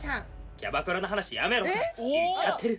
キャバクラの話やめろってイっちゃってる！